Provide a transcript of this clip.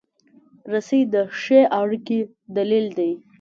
رسۍ د ښې اړیکې دلیل دی.